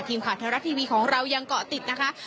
ทีมข่าวไทยรัฐทีวีของเรายังเกาะติดนะคะ